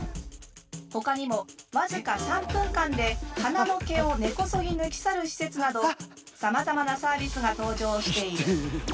ほかにも僅か３分間で鼻の毛を根こそぎ抜き去る施設などさまざまなサービスが登場している。